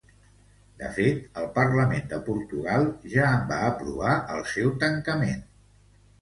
De fet, el parlament de Portugal ja en va aprovar el seu tancament.